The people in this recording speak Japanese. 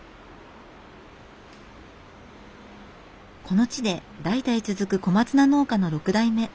この地で代々続く小松菜農家の６代目門倉周史さん。